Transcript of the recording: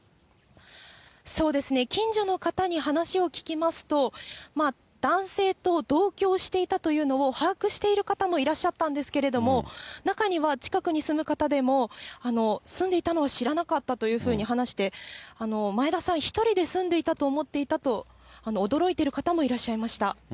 そうですね、近所の方に話を聞きますと、男性と同居をしていたというのを把握している方もいらっしゃったんですけれども、中には、近くに住む方でも、住んでいたのは知らなかったというふうに話して、前田さん１人で住んでいたと思っていたと、驚いている方もいらっしゃいました。